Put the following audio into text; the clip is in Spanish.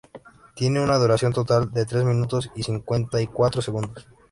Tiene una duración total de tres minutos y cincuenta y cuatro segundos.